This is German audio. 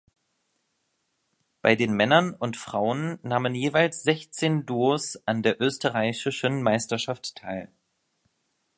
Bei den Männern und Frauen nahmen jeweils sechzehn Duos an der österreichischen Meisterschaft teil.